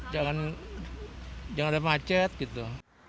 jangan ada macet gitu